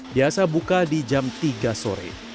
biasa buka di jam tiga sore